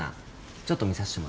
ちょっと診させてもらうね。